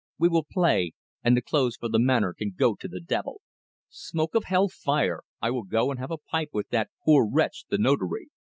We will play, and the clothes for the Manor can go to the devil. Smoke of hell fire, I will go and have a pipe with that, poor wretch the Notary!"